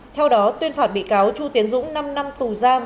theo đó tuyên phạt bị cáo chu tiến dũng năm năm tù giam